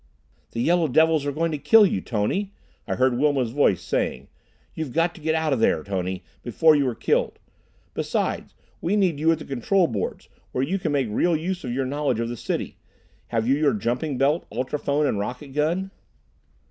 "The yellow devils were going to kill you, Tony," I heard Wilma's voice saying. "You've got to get out of there, Tony, before you are killed. Besides, we need you at the control boards, where you can make real use of your knowledge of the city. Have you your jumping belt, ultrophone and rocket gun?"